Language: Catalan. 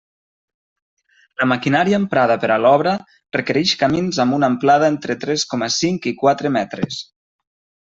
La maquinària emprada per a l'obra requereix camins amb una amplada entre tres coma cinc i quatre metres.